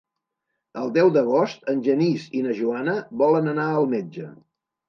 El deu d'agost en Genís i na Joana volen anar al metge.